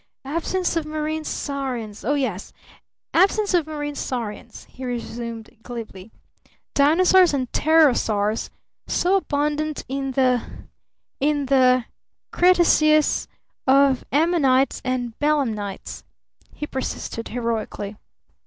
Absence of marine saurians? Oh, yes! "Absence of marine saurians," he resumed glibly, "Dinosaurs and Pterosaurs so abundant in the in the Cretaceous of Ammonites and Belemnites," he persisted heroically.